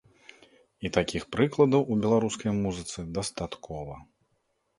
І такіх прыкладаў у беларускай музыцы дастаткова.